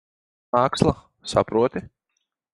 Māksla. Saproti?